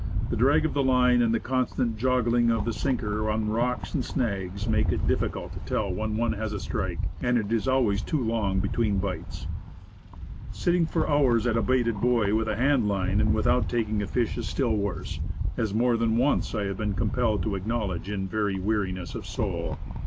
The drag of the long line and the constant jogging of the sinker on rocks and snags, make it difficult to tell when one has a strike and it is always too long between bites. Sitting for hours at a baited buoy with a hand line, and without taking a fish, is still worse, as more than once I have been compelled to acknowledge in very weariness of soul.